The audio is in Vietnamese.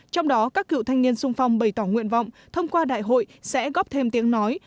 trong đó các cựu thanh niên sung phong bày tỏ nguyện vọng thông qua đại hội sẽ góp thêm tiếng nói